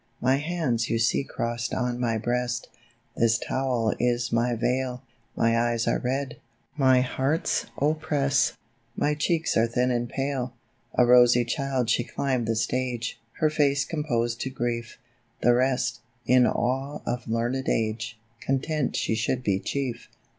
" My hands you see crossed on my breast ; This towel is my veil; My eyes are red, my heart's opprest, My cheeks are thin and pale." A rosy child she climbed the stage, Her face composed to grief, The rest, in awe of learned age, Content she should be chief.